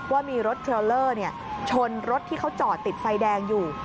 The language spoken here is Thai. ว่ามีรถเทรลเลอร์ชนรถที่เขาจอดติดไฟแดงอยู่